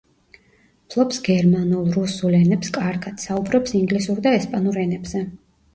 ფლობს გერმანულ, რუსულ ენებს კარგად, საუბრობს ინგლისურ და ესპანურ ენებზე.